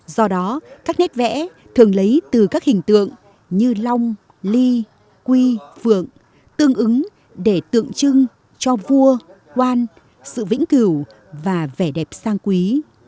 do đó các nét vẽ thường lấy từ các hình tượng như long ly quy phượng tương ứng để tượng trưng cho vua quan sự vĩnh cửu và vẻ đẹp sang quý